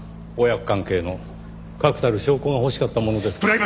親子関係の確たる証拠が欲しかったものですから。